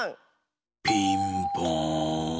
ピンポーン。